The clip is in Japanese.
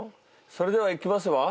それではいきますわ。